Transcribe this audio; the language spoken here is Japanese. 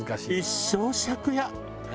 一生借家。